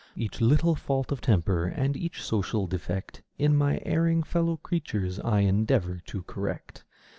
Each little fault of temper and each social defect In my erring fellow creatures, I endeavor to correct.